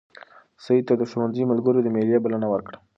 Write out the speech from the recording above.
سعید ته د ښوونځي ملګرو د مېلې بلنه ورکړه.